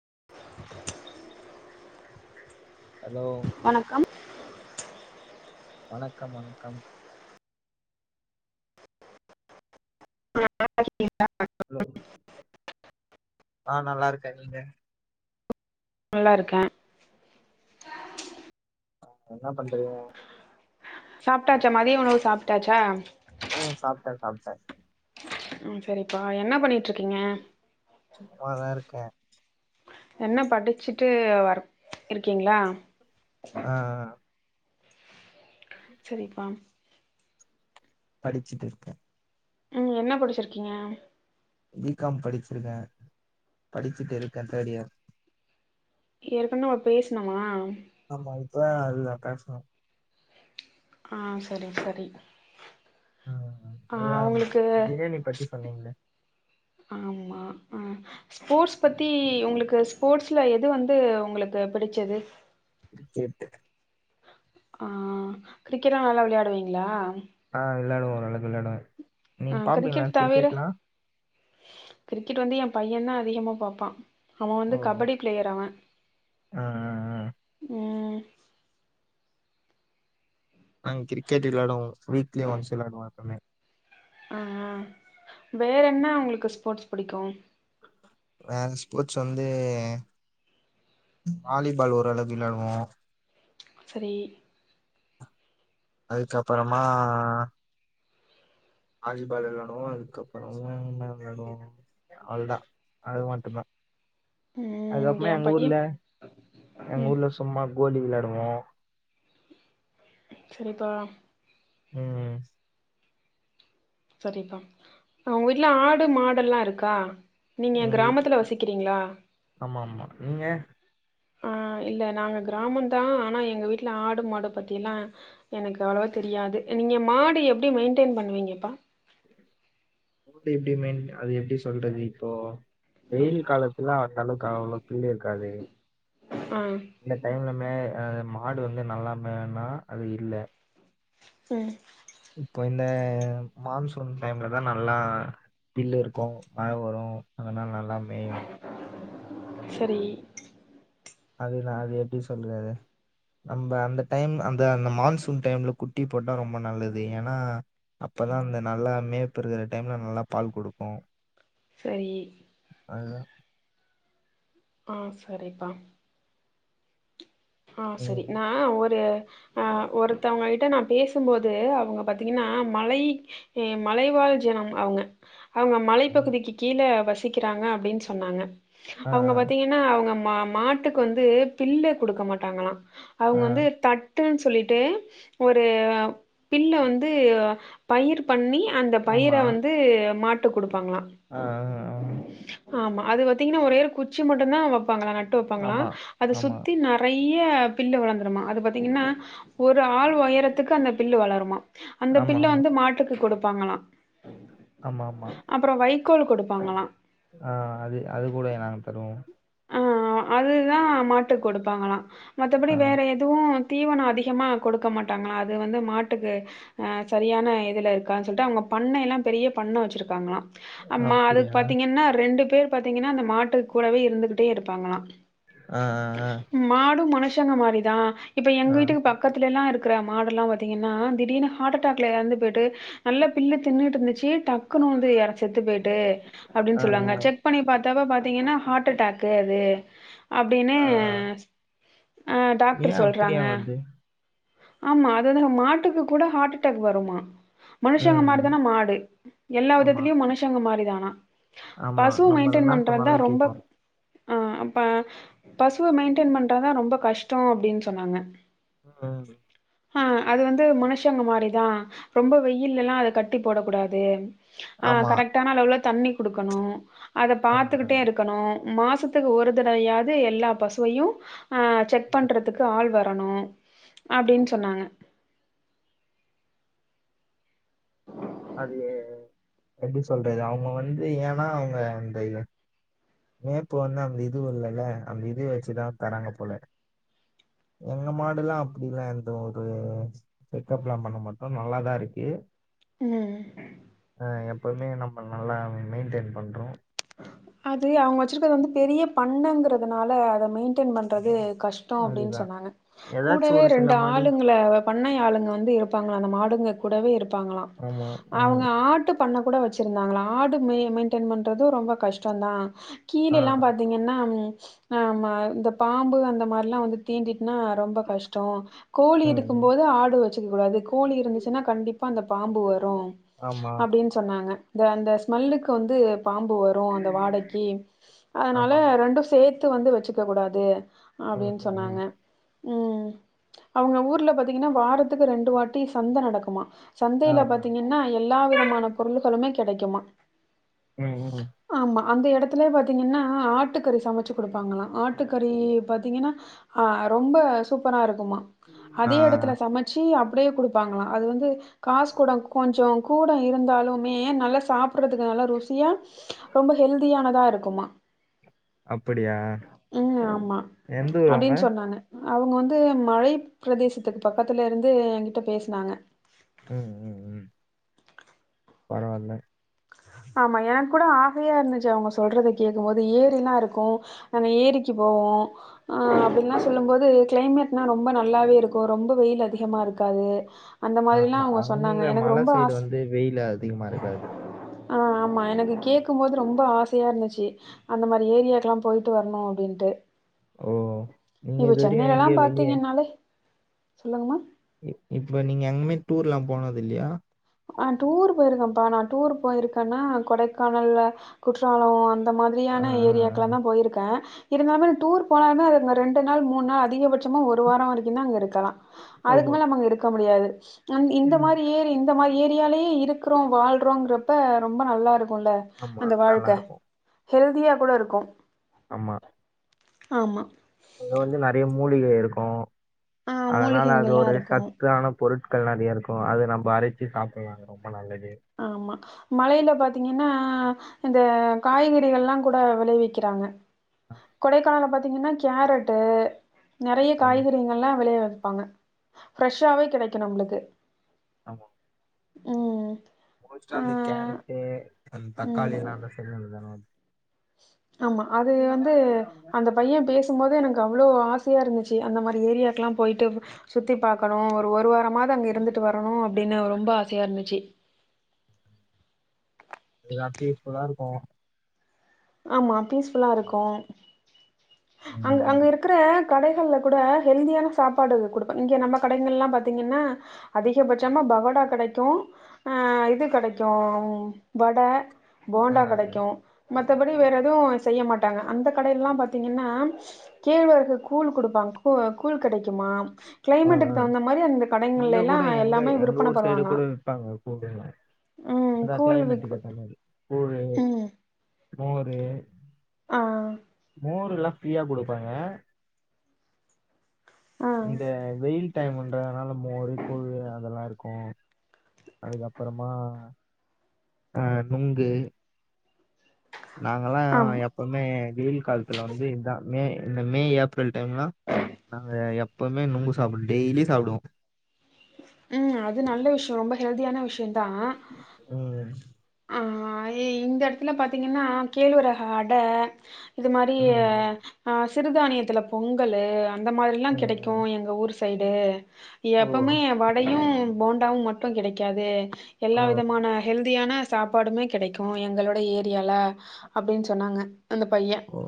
[unintelligible] Allow வணக்கம் வணக்கம் வணக்கம் [inaudible] ல்லோ ஆஹ் நல்லா இருக்கே நீங்க நல்லா இருக்கேன் என்ன பண்றீங்க சாப்டாச்சா மதிய உணவு சாப்டாச்சா ம் சாப்ட்டேன் சாப்ட்டேன் ம் சரிப்பா என்ன பண்ணிட்ரு சும்மா தா இரு க என்ன படிச்சுட்டு வர இருக்கீங்ளா அ அ சேரிப்பா படிச்சுட்டு இருக்கே ம் என்ன படிச்சிருக்கீங்க பி காம் படிச்ருக்கே படிச்சுட்டு இருக்கே தேர்டியர் ஏற்கனே நம்ப பேசுனமா ஆமா உத்தா அதுதா கஷ்னு அ சேரி சேரி ஆஹ் அதான் ப்ரியாணி பத்தி சொல்லுக ஆமா ஆஹஸ்போர்ட்ஸ் பத்தி உங்களுக்கு ஸ்போர்ட்ஸ்ல எது வந்து உங்களுக்கு பிடிச்சது [unintelligible] ஆஹ் கிரிக்கெட்லா நல்லா விளையாடுவீங்ளா ஆ விளையாடுவோம் நல்ல விளையாடுவேன் நீங்க ஆ பாப்பிங்களா கிரிக்கெட் தவிர கிரிக்கெட்லாம் கிரிக்கெட் வந்து என் பையன்தா அதிகமா பாப்பான் அவன் வந்து ஓ கபடி பிளேயர் அவன் ஆ ஆ ஆ உம் [unintelligible] நாங்க கிரிக்கெட் விளையாடுவோம் வீக்லி ஒன்ஸ் விளையாடுவோம் எப்பவுமே அஹ் வேற என்ன உங்களுக்கு ஸ்போர்ட்ஸ் புடிக்கு வேற ஸ்போர்ட்ஸ் வந்து வாலிபால் ஓரளவுக்கு விளையாடுவோம் சேரி அதுக்குஅப்பறமா வாலிபால் வெளையாடுவோம் அதுக்கப்புறம் விளணும் அவ்வளேதான் அது மட்டு்தான் ம் அதுக்கப்பரேமே என் எங்க பையன் ஊர்ல எங்க ம் ஊர்ல சும்மா கோலி வெளையாடுவோம் சேரிப்பா உம்ம் சேரிப்பா உங்க வீட்ல ஆடு மாடெல்லா இருக்கா நீங்க எங்க வீட்ல கிராமத்துல வசிக்கிறீங்களா ஆமா ஆமா நீங்க அ இல்ல நாங்க கிராமம் தான் ஆனா எங்க வீட்டுல ஆடு மாடு பத்தில்லாம் எனக்கு அவ்வளவா தெரியாது நீங்க மாடு எப்டி மெயின்டெய்ன் பண்ணுவீங்கப்பா எப்டி எப்படிமன் அத எப்டி சொல்றது இப்போ வெயில் காலத்துல அந்த அளவுக்கு அவ்ளோ பில்லே இருக்காதே ஆ இந்த டைம் என்மே மாடு வந்து நல்லா மேன்னா அது இல்ல உம் ஹா மான்சூன் டைம்லதா நல்லா பில்லுருக்கு மழ வரு அதனால நல்ல மெய்யு சேரி அது நா அது எப்டி சொல்றது நம்ப அந்த டைம் அந்த அந்த மான்சூன் டைம்ல குட்டி போட்டா ரொம்ப நல்லது ஏனா அப்பதா அந்த நல்லா மேப்புருக்குற டைம்ல நல்லா பால் குடுக்கு சேரி [inaudible] ஆ சேரிப்பா ஆஹ் சரி ம். நா ஒரு ஆஹ் ஒருத்தவுங்ககிட்ட நா பேசும்போதே அவுங்க பாத்தி ங்கன்னா மலை ஏ மலைவாழ் ஜனம் அவுங்க அவுங்க ம். மலைப்பகுதிக்கு கீழ வசிக் கிறாங்க அப்டின்னு சொன்னாங்க ஆ, அவங்க பாத்தீங்கன்னா அவங்க மா மாட்டுக்கு வந்து பில்லு குடுக்க மாட்டாங்களா அவங்க ஆ, ஆ. வந்து தட் டுன்னு சொல்லிட்டு ஒரு பில்ல வந்து பயிர் பண்ணி அந்த பயிர வந்து மாட் ட்டுக் குடு ஆஹ் ஆஹ் ஆஹ் ஆமா அது பாத்தீங்கன்னா ஒரே ஒரு குச்சி மட்டும்தா வப் பாங்களா நட்டு வப்பாங்களா ஆமா, அது ஆமா. சுத் நெறைய பில்லு வளந்துருமா அது பாத்தீங்னா ஒரு ஆள் ஒயரத்துக்கு அந்த பில்லு வளருமா அந்த பில்ல வந்து மாட்டுக்கு கொடு ப்பாங்கலா ஆமா ஆமா க்கோல் கொடுப்பாங்களா ஆஹ் அது அது கூட நாங்க தருவோ ஆ அதுதா மாட்டுக் கொடுப்பாங்களா மத்தபடி ஆ. வேற எதுவு தீவன அதிகமா கொடுக்க மாட்டாங்களா அது வந்து மாட்டுக்கு ஆ சரியான இதுல இருக்காதுனு சொல்ட்டு அவுங்க பண்ணயலா பெரிய பண்ண வச்ருக்காங்களா ஆமா அதுக்கு அப்படியா? பாத்தீங்கன்னா ரெண்டு பே பாத்தீங்கன்னா அந்த மாட்டுக கூடவே இருந்துக்கிட் டே இருப்பாங்களா ஆ, ஆ, மாடு மனுஷ் ஷங்க மாரிதா இப்ப ஆ. எங்க ஆ, வீட்டுக்கு பக்கத்துல எல்லாம் இருக் இருக்குற மாடெல்லாம் பாத்தீங்கன்னா திடீனு ஹ்ட் டேக்ல இறந்து போயிட்டு நல்ல பில்லு தின்னுட்டு இருந்துச்சு டக்குனு வந்து யார செத்து போய்ட்டு அப்டின் ஆ, சொல்வாங்க செக் பண்ணி பாத் தவ பாத்தீங்கனா ஹாடடாக் க்கு அது அப்டினு ஆ, ஆ. அஹ் டாக்டர் ஏன் அப்படியா சொல்றாங்க வருது? ஆமா அததா மாட்டுக்கு கூட ஹாட்டாக் வருமா மனுஷங்க ம். மாரி ம். தானா மாடு எல்லா ஆமா, விதத்துலயு மனுஷங்க மாரிதானா ஆமா. பசு நம்ம மெயின்டன் என்ன பண்றந்தா சொன்னாலும் ரொம்ப கேக்கும். ஆஹ் அப்ப பசுவை மெயின்டெயின் பண்றாதான் ரொம்ப கஷ்டம் அப்படின்னு சொன்னாங்க உம் ஆஹ் அது வந்து மனுஷங்க மாரிதான் ரொம்ப வெயில் எல்லாம் அத கட்டி போடக்க கூடாது ஆஹ் ஆமா. கரெக்டானா அளவுல தண்ணி குடுக்கணும் அத ஆ, ஆ. பாத்துக்கிட்டே இருக்கணும் மாச மாசத்துக்கு ஒரு தடவையாவது எல்லா பசுவையும் அஹ் செக் பண்ணுறதுக்கு ஆள் வரு ணும் அப்படின்னு சொன்னாங்க அது எப்டி சொல்றது அவுங்க வந்து ஏனா அவுங்க அந்த மேப்பு வந்து அந்த இது வல்லல அந்த இது வச்சுதா தராங்க போல எங்க மாடுலா அப்டிலா எந்த ஒரு செக்கப்லா பண்ண மாட்டோ நல்லாதா இருக்கு ம் ஆஹ் எப்போவுமே நம்ம நல்லா மெயின்டெயின் பண்றோம் அது அவுங்க வச்ருக்கறது வந்து பெரிய பண்ணங்கறதுனால அத மெயின்டென் பண்றது கஷ்டம் அப்படின்னு அதுதா சொன்னாங்க ஏதாச்சு கூடவே ஒரு சில ரெண்டு மாடு ஆளுங்கள பண்ணை ஆளுங்க வந்து இருப்பாங்களா அந்த மாடுங்க கூடவே இருக் பாப்பாங்களாம் ஆமா அவங்க ம் ஆட்டு பண்ண கூட வச்சு இருந்தாங்களா ஆடு மெயி மெயின்டென் பண்ற து ரொம்ப கஷ்டம் தான் கீழே ஆ எல்லாம் பாத்தீங்கன்னா ஆமா இந்த பாம்பு அந்த மாரிலா வந்து தீண்டி ரொம்ப கஷ்டம் கோழி ம் ம் இருக்கும்போது ஆடு வச்சு கூடாது கோழி இருந்துச்சுனா கண்டிப்பா அந்த பாம்பு வரு ஆமா அப்டின் சொன்னாங்க ந்த அந்த ஸ்மெல்லுக்கு வந்து வரும் அந்த வாடைக்கு அதனால ஆமா ரெண்டும் சேர்த்து எடுத்து வந்து வச்சுக்க கூடாது ம் அப்படின்னு ம் சொன்னாங்க ம் உம் அவுங்க ஊர்ல பாத்தீங்கனா வாரத்துக்கு ரெண்டு வாட்டி சந்த நடக்குமா ஆ சந்தயில ஆ பாத்தீங்கனா எல்லா விதமான பொருள்களுமே கிடைக்குமா உம் உம் அந்த இடத்துலே பார்த்தீங்கன்னா ஆட்டுக்கறி சமைச்சு கொடுப்பாங்களாம் ஆட்டுக்கறி பார்த்தீங்கன்னா ரொம்ப சூப்பராக இருக் குமா ஆமா ஆ அதே இடத்துல சமைச்சு அப் அப்படியே கொடுப்பாங்களாம் அது வந்து காசு கூட கொஞ்சம் கூட இருந்தாலுமே நல்லா சாப்படுறதுக்கு நல்ல ருசி யான் ரொம்ப ஹெல்தியானதா இருக்குமா அப்படியா உம் ஆமா எந்த ஊரு உங்க அப்படின்னு சொன்னானு அவங்க வந்து மழை பிரதேசத்துக்கு பக்கத்துல இருந்து என்கிட்ட பேசினாங்க உம் உம் உம் பரவால்ல ஆமா எனக்கு கூட ஆசயா இருந்துச்சு அவங்க சொல்றத கேட்கும் போது ஏரில்லாம் இருக்கும் அந்த ஏரிக்கு போவோம் ஆஹ் அப்டில்லாம் சொல்லும்போது கிளைமேட்லாம் ரொம்ப நல்லாவே இருக்கும் ரொம்ப வெயில் அதிகமா இருக்காது அந்த மாரிலா ஆஹ்மா அவங்க சொன்னாங்க அங்க எனக்கு மல ரொம்ப சைடு ஆச வந்து வெயில அதிகமா இருக்காது ஆஹ் ஆமா எனக்கு கேட்கபோது ரொம்ப ஆசையா இருந்துச்சு அந்த மாரி ஏரியாக்க எல்லாம் போயிட்டு வரணும் அப்படின்னுட்டு ஓ நீங்க இது வர எங்கய வெளியே பாத்தீங்கன்னாலே சொல்லுங்கமா இப்ப நீங்க எங்கமே டூர் எல்லாம் போனது இல்லையா ஆஹ் டூர் போயிருக்கேன்ப்பா நான் டூர் போயிருக்கேன்னா கொடைக்கானல் குற்றாலம் அந்த ஆ, ஆ, மாதிரியான ஆ. ஏரியாக்கல தான் போயிருக்கேன் இருந்தாலும் டூர் போனாலுே அங்கே ரெண்டு நாள் மூணு நாள் அதிகபட்சமா ஒரு வாரம் வரைக்கும் தான் அங்க இருக்கலாம் அதுக்கு ஆமா. மேல நம்ம அங்க இருக்க முடியாது [inaudible] அ இந்த ம். மாரி ஏறி மா ஏரியாலேயே இருக்கிறோம் வாழ்றோங்கிறப்ப ரொம்ப நல்லா இருக் கும்ல ஆமா. அந்த வாழ்க்கை நல்லாருக்கும். ஹெல்தியாக கூட இருக்கும் ஆமா ஆமா இது வந்து நிறைய மூலிகை இருக்கும் ஆ அதனால அது மூலிகைங்கள்லாம் ஒரு இருக்கும். சத்தான பொருட் க்கள் நிறைய இருக்கும் அது நம்ப அரைச்சு சாப்பிலாம் ரொம்ப நல்லது ஆமா மழையில பாத்தீங்கன்னா இந்த காய்கறிகள் எல்லாம் கூட விளைவிக்கிறாங்க கொடைக்கானல பாத்தீங்கன்னா கேரட்டு நிறைய ம். காய்கறிகள் எல்லாம் விளையா பாங்க ப்ரஸ்ஸவே கிடைக்கும் நம்பளுக்கு ஆமா உம் மோஸ்டா அந்த கேரட்டு அந்த ம் தக்காளி எல்லாம் [unintelligible] [inaudible] ஆமா அது வந்து அந்த பையன் பேசும்போது எனக்கு அவ்வளோ ஆச ஆசையா இருந்துச்சு அந்த மாரி ஏரியாக்கெல்லாம் போயிட்டு சுத்தி பாக்கணும் ஒரு ஒரு வாரம் அங்க இருந்துட்டு வரணும் அப்டின்னு ரொம்ப ஆசையா இருந்துச்சு எல்லா பீஸ் புல்லா இருக்கும் ஆமா பீஸ் புல்லா இருக்கும் அங் ம். அங்க இருக்கற கடைகள்ல கூட ஹெல்தியான சாப்பாடு கொடுப்ப இங்க நம்ம கடைகள் எல்லாம் பாாரத்தீங்கன்னா அதிகபட்சமா பகோடா கிடைக்கும் ஆஹ் இது கிடைக்கும் வடை ஆ, போண்டா ஆ. கிடைக்கும் மத்தபடி வேற எதுவும் செய்ய மாட்டாங்க அந்த கடையிலாம் பாத்தீங்கன்னா கேழ்வரகு கூழ் கொடுப்பாங்க கூ கூழ் கிடைக் கிடக்குமா ஆ, ஆ. கிளைமேட்டுக்கு தகுந்த மாரி அந்த இங்க கடைல கூட எல்லாம் எங்க எல்லாமே எங்க விற்பன ஊர் சைடு பண்ணுவாங்கல கூட விப்பாங்க கூழ்லாம். உம் கூழு ஒரு மோரு ஆ மோருல பிரியா கொடுப்பாங்க ஆ இந்த வெயில் டைம்ன்றதுனால அதனால மோரு கூழு அதெல்லாம் இருக்கும் அதுக்கப்பறமா அஹ் நுங்கு நாங்கல்லாம் ஆமா எப்பவுமே வெயில் காலத்துல வந்து இதான் மே இந்த மே ஏப்ரல் டைம்லாம் நாங்க எப் எப்பவுமே நுங்கு சாப்பி டெய்லி சாப்டுவோ உம் அது நல்ல விஷயம் ரொம்ப ஹெல்த் தியான விஷ் உம் ஆஹ் இந்த இடத்துல பாத்தீங்கன்னா கேளுவிரக அடை இது மாரி ம் ம் ஆஹ் சிறுதானியத்துல பொங்கலு அந்த மாரி எல்லாம் ம் ம் கிடைக்கும் எங்க ஊர் சைடு ஓ எப்பமே வடையும். போண்டாவும் மட்டும் கிடைக்காது. எல்லா ஆ விதமான ஹெல்தியான. சாப்பாடுமே கிடைக்கு எங்களோட ஏரியால அப்டின்னு சொன்னாங்க. அந்த பைய. ஓ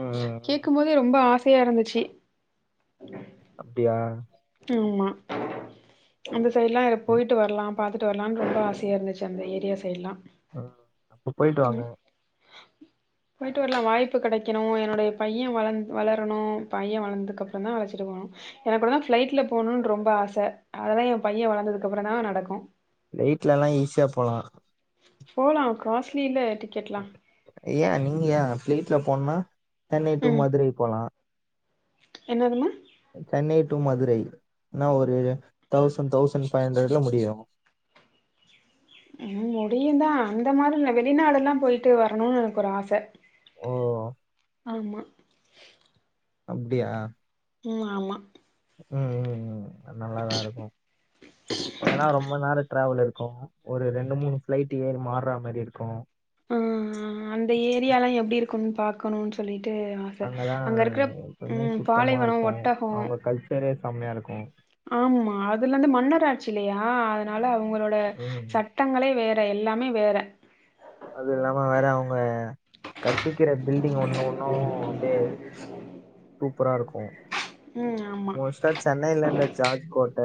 ம் ம் ம் கேக்கும்போதே ரொம்ப ஆச. யா இருந்துச்சு. அப்டியா. ஆம்மா அந்த. சைடுலா போயிட்டு வரலாம். பாத்துட்டு வரலாம்னு ரொம்ப ஆசையா இருந்துச்சு அந்த ஏரிய சைட்லா. ஹ அப்ப போயிட்டு வாங்க. போயிட்டு வரலா வாய்ப்பு கெடைக்கணு என்னுடைய பைய வள வளரணு பைய வளந்ததுக்கு அப்றோதா அலச்சிட்டு போகணு எனக்கு கூடதா. பிளைட்ல போணும்னு ரொம்ப ஆச. அதெல்லா என் பைய வளந்ததுக்கு அப்புறோதா நடக்கு. பிளைட்ல எல்லா ஈஸியா போலா. போலா காஸ்லில. யே நீங்கயே ஃப்ளைட்ல. போன்னா. சென்னை டூ மதுரை போலா. என்னதுமா. சென்னை டூ மதுரை என்ன ஒரு தௌசண்ட் தௌசண்ட் ஃபைவ் ஹண்ட்ரட்ல முடியு. முடியுதா அந்த மாரி இது வெளிநாடு எல்லா போயிட்டு வரணும்னு எனக்கு ஒரு ஆச. ஓ. ஆமா. அப்டியா. உம் ஆம்மா. உம்ம்ம். நல்லாதா இருக்கு. ஏன்னா ரொம்ப நேரோ ட்ராவல் இருக். கு ஒரு ரெண்டு மூணு பிளைட் ஏறி மாற மாரி இருக்கு. உஹம் அந்த ஏரியா எல்லா எப்படி இருக்கும்னு பாக்கணும்னு சொல்லிட்டு. ட்டு ஆச. அங்கதா அங்க இருக்கிற எப்பவுமே உம் சுத்தமா பாலைவனோ இருக்கு ஒட்டகோ. அவங்க கல்ச்சரே செம்மையா இருக்கு. ஆம்மா அதுல வந்து மன்னராட்சி இல்லையா அதனால அவங்களோட ம் சட்டங்களே வேற. எல்லாமே வேற. அது இல்லாம வேற அவங்க கட்டிக்கிற பில்டிங் ஒண்ணு ஒண்ணு அப்படியே சூப்பரா இருக்கு. ம். ஆமா. மோஸ்டா சென்னைல இருந்த ஜார்ஜ் கோட்ட.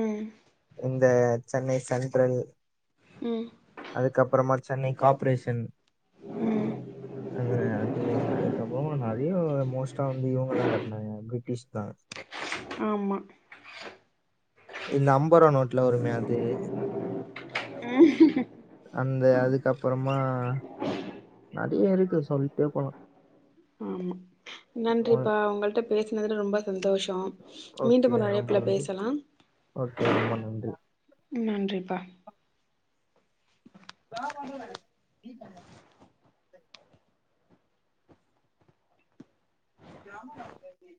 ம். இந்த சென்னை சென்ட்ரல். ம். அதுக்கப்புறமா சென்னை காபரேஷன். ம். அது அது அதுக்கப்புறமா நறையோ. மோஸ்டா வந்து இவங்கதா கட்டுனாங்க பிரிட்டிஷ். தாஸ் ஆமா இ நாம முபதுருவ நோட்ல வருமே அது அந்த அதுக் அதுக்கப்புறமா ச நிறைய இருக்கு சொல்லிட்டே போணும் ஆமா நன்றிப்பா உங்கள்ட்ட பேசினதுல ரொம்ப சந்தோஷம் மீண்டும் ஓகே ஒரு ரொம்ப அழைப்புல நன்றி பேசலாம் ஓகே ரொம்ப நன்றி நன்றிப்பா [unintelligible] கிராம [unintelligible] ம்